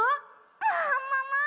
ももも。